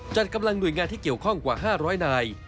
จัดกำลังหน่วยงานที่เกี่ยวข้องกว่า๕๐๐นาย